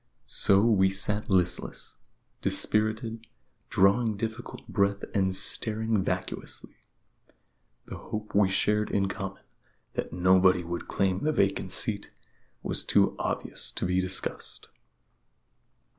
So we sat listless, dispirited, drawing difficult breath and staring vacuously. The hope we shared in common that nobody would claim the vacant seat was too obvious to be discussed.